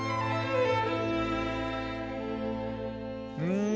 うん。